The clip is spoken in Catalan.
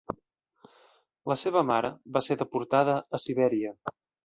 La seva mare va ser deportada a Sibèria.